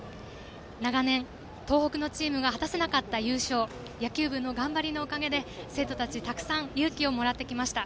長年、東北のチームが果たせなかった優勝野球部の頑張りのおかげで生徒たち、たくさん勇気をもらってきました。